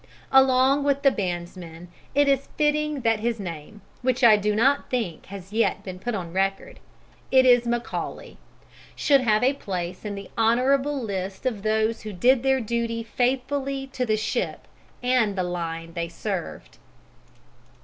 Along with the bandsmen it is fitting that his name, which I do not think has yet been put on record it is McCawley should have a place in the honourable list of those who did their duty faithfully to the ship and the line they served.